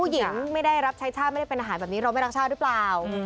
ไม่ได้รับใช้ชาติไม่ได้เป็นอาหารแบบนี้เราไม่รักชาติหรือเปล่า